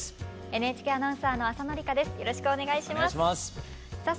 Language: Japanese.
ＮＨＫアナウンサーの浅野里香です。